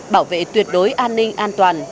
bảo vệ tuyệt đối an ninh an toàn